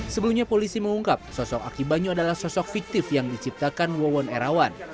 sebelumnya polisi mengungkap sosok aki banyu adalah sosok fiktif yang diciptakan wawon erawan